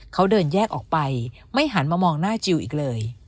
เขาเดินแยกออกไปไม่หันมามองหน้าจิลอีกเลย